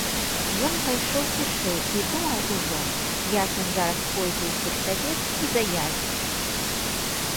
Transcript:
Ён пайшоў цішэй і думаў ужо, як ён зараз пойдзе ў сельсавет і заявіць.